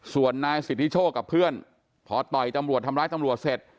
ส่วนนายสิทธิโชคกับเพื่อนพอต่อยตำรวจทำร้ายตำรวจเสร็จ